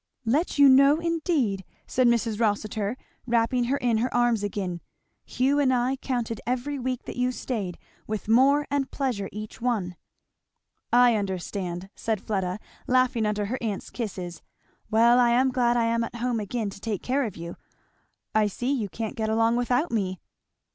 "Let you know indeed!" said Mrs. Rossitur, wrapping her in her arms again; "Hugh and I counted every week that you staid with more and pleasure each one." "I understand!" said Fleda laughing under her aunt's kisses. "Well I am glad I am at home again to take care of you. I see you can't get along without me!"